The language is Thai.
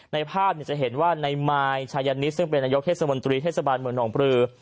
ในภาพจะเห็นว่าในมายชายันนิสซึ่งเป็นนายกเทศมนตรีเทศบาลเมืองหนองปลือ